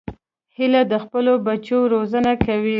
هیلۍ د خپلو بچو روزنه کوي